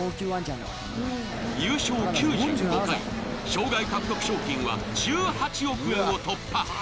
優勝９５回、生涯獲得賞金は１８億円を突破。